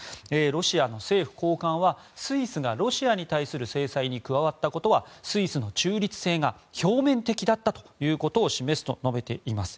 ロシアの政府高官はスイスがロシアに対する制裁に加わったことはスイスの中立性が表面的だったということを示すと述べています。